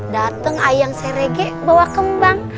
datang ayam serege bawa kembang